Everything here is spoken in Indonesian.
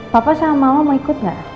papa sama mama mau ikut nggak